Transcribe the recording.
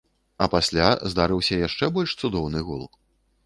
А пасля здарыўся яшчэ больш цудоўны гол.